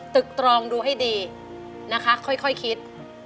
ตึกตรองดูให้ดีนะคะค่อยคิด